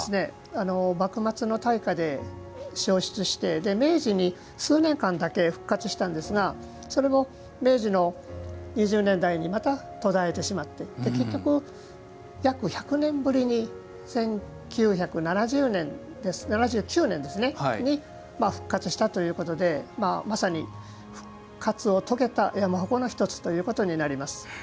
幕末の大火で焼失して明治に数年間だけ復活したんですがそれも明治の２０年代にまた、途絶えてしまって結局、約１００年ぶりに１９７９年に復活したということでまさに復活を遂げた山鉾の１つということになります。